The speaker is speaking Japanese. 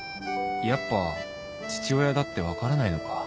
やっぱ父親だって分からないのか